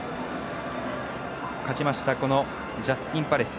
勝ちましたジャスティンパレス。